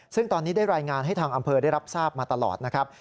ซึ่งตอนนี้ได้รายงานให้ทางอำเภอได้รับทราบมาตลอดนะครับ